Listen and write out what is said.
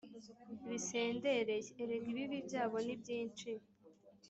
bisendereye Erega ibibi byabo ni byinshi